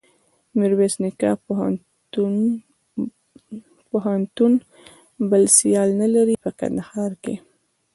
میرویس نیکه پوهنتون بل سیال نلري په کندهار کښي.